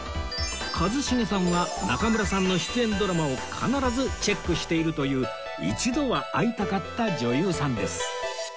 一茂さんは中村さんの出演ドラマを必ずチェックしているという一度は会いたかった女優さんです